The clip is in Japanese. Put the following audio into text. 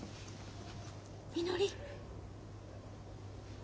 みのり。